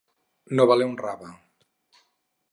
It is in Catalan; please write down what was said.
No valer un rave.